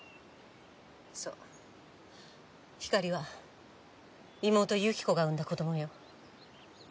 そうひかりは妹由紀子が産んだ子どもよ。